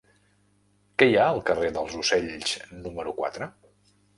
Què hi ha al carrer dels Ocells número quatre?